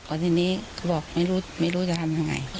อันที่นี้เขาบอกไม่รู้ไม่รู้จะทำยังไง